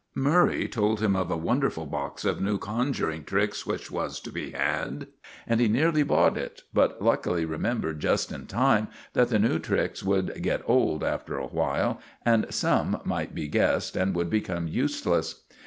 Murray told him of a wonderful box of new conjuring tricks which was to be had, and he nearly bought it, but luckily remembered just in time that the new tricks would get old after a while, and some might be guessed and would become useless.